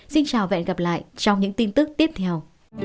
xin chào và hẹn gặp lại trong những tin tức tiếp theo